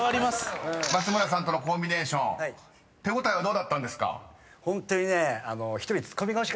［松村さんとのコンビネーション手応えはどうだったんですか？］